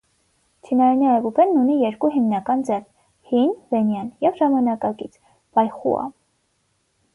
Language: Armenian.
Չինարենի այբուբենն ունի երկու հիմնական ձև՝ հին (վենյան) և ժամանակակաից (բայխուա)։